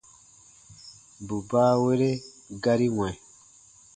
Bù baawere gari wɛ̃.